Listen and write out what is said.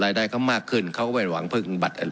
รายได้ก็มากขึ้นเขาไม่หวังพึ่งบัตร